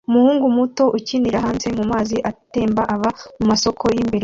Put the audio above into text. Umuhungu muto akinira hanze mumazi atemba ava mumasoko yimbere